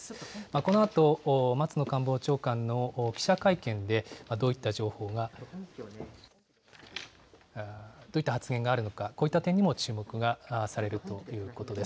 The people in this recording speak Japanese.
このあと松野官房長官の記者会見で、どういった情報が、どういった発言があるのか、こういった点にも注目がされるということです。